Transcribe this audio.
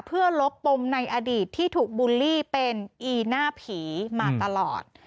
เพื่อลบปมในอดีตที่ถูกบูลลี่เป็นอีน่าผีมาตลอด